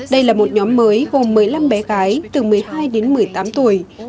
đây là một nhóm mới gồm một mươi năm bé gái từ một mươi hai đến một mươi tám tuổi